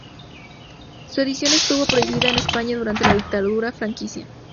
Esta edición estuvo prohibida en España durante la dictadura franquista.